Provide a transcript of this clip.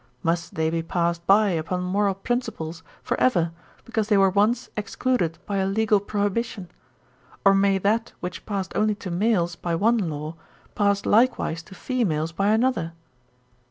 Must they be passed by upon moral principles for ever, because they were once excluded by a legal prohibition? Or may that which passed only to males by one law, pass likewise to females by another?